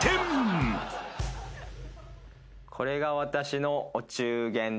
これが私のお中元です。